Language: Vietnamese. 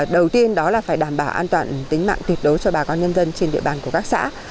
đầu tiên đó là phải đảm bảo an toàn tính mạng tuyệt đối cho bà con nhân dân trên địa bàn của các xã